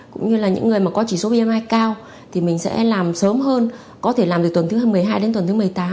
cũng như là những người mà có chỉ số bim hai cao thì mình sẽ làm sớm hơn có thể làm từ tuần thứ một mươi hai đến tuần thứ một mươi tám